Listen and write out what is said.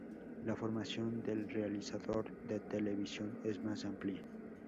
La formación del realizador de televisión es más amplia.